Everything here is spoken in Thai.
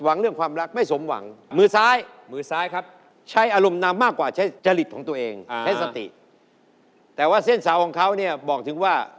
เฮ้ยนี่ส่งให้ดังเป็นโอเค